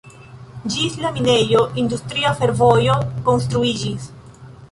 Ĝis la minejo industria fervojo konstruiĝis.